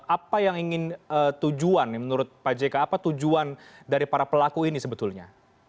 apa yang ingin tujuan menurut pak jk apa tujuan dari para pelaku ini sebetulnya